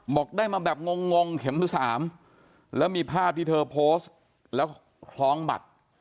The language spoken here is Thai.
บอกได้มาแบบงงเข็มที่สามแล้วมีภาพที่เธอโพสต์แล้วคล้องบัตร